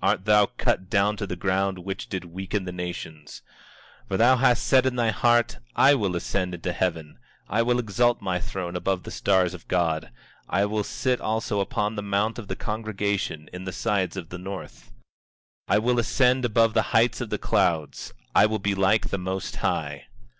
Art thou cut down to the ground, which did weaken the nations! 24:13 For thou hast said in thy heart: I will ascend into heaven, I will exalt my throne above the stars of God; I will sit also upon the mount of the congregation, in the sides of the north; 24:14 I will ascend above the heights of the clouds; I will be like the Most High.